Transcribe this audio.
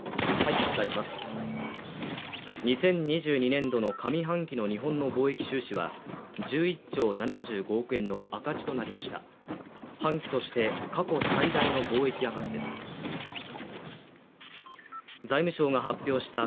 ２０２２年度の上半期の日本の貿易収支は１１兆７５億円の赤字となりました。